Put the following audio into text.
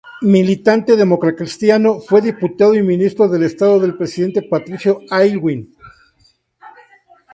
Militante democratacristiano, fue diputado y ministro de Estado del presidente Patricio Aylwin.